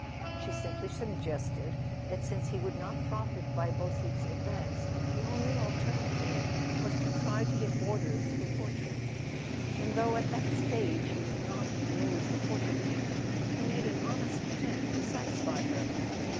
She simply suggested that since he would not profit by Beausite's advance the only alternative was to try to get orders for portraits; and though at that stage he was not in the mood for por¬ trait painting, he made an honest attempt to satisfy her.